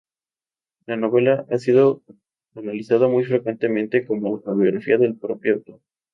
La novela, ha sido analizada muy frecuentemente como autobiográfica del propio autor.